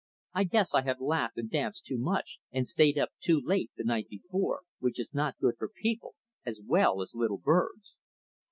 I guess I had laughed and danced too much, and stayed up too late the night before, which is not good for people as well as little birds.